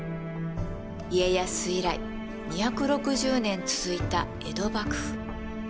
家康以来２６０年続いた江戸幕府。